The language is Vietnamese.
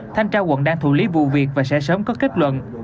thanh trao quận đang thủ lý vụ việc và sẽ sớm có kết luận